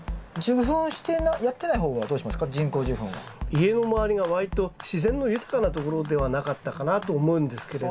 家の周りが割と自然の豊かなところではなかったかなと思うんですけれど。